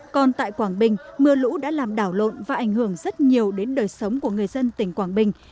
còn tại quảng bình mưa lũ đã làm đảo lộn và ảnh hưởng rất nhiều đến đời sống của người dân tỉnh quảng bình